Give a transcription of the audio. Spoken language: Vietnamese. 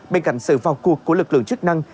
bên cạnh sự vào cuộc của lực lượng chức năng